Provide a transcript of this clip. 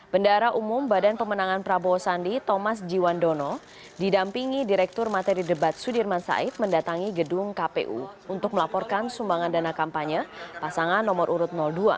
bendara umum badan pemenangan prabowo sandi thomas jiwandono didampingi direktur materi debat sudirman said mendatangi gedung kpu untuk melaporkan sumbangan dana kampanye pasangan nomor urut dua